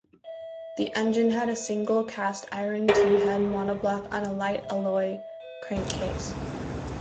The engine had a single cast iron T-head monobloc on a light alloy crankcase.